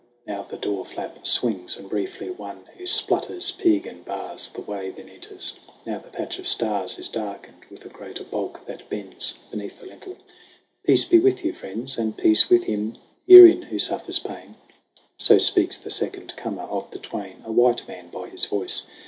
Now the door flap swings, And briefly one who splutters Piegan, bars The way, then enters. Now the patch of stars Is darkened with a greater bulk that bends Beneath the lintel. "Peace be with you, friends ! And peace with him herein who suffers pain!" So speaks the second comer of the twain A white man by his voice.